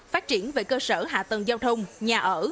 phát triển về cơ sở hạ tầng giao thông nhà ở